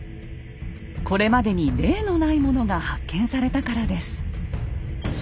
これまでに例のないものが発見されたからです。